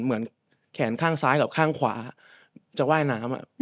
เหมือนแขนข้างซ้ายกับข้างขวาจะว่ายน้ำ